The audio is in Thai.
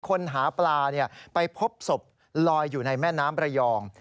คนหาปลาไปพบศพลอยอยู่ในแม่น้ำระยอง